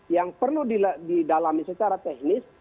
yang perlu didalami secara teknis